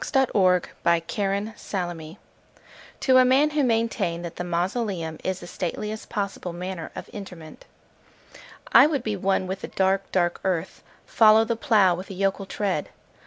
The Traveller heart (To a Man who maintained that the Mausoleum is the Stateliest Possible Manner of Interment) I would be one with the dark, dark earth:— Follow the plough with a yokel tread.